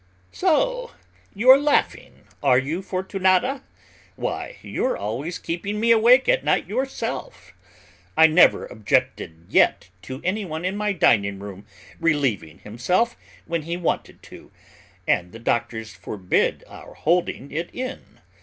So you're laughing, are you, Fortunata? Why, you're always keeping me awake at night yourself. I never objected yet to anyone in my dining room relieving himself when he wanted to, and the doctors forbid our holding it in.